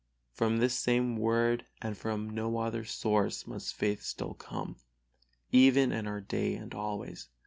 From this same Word and from no other source must faith still come, even in our day and always.